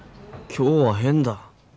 今日は変だ。